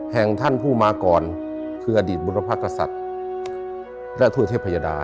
แห่งท่านผู้มาก่อนคืออดีตบุรพกษัตริย์และทั่วเทพยดา